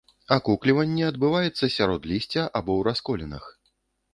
Акукліванне адбываецца сярод лісця або ў расколінах.